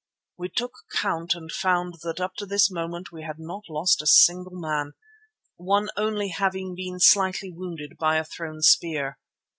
We took count and found that up to this moment we had not lost a single man, one only having been slightly wounded by a thrown spear.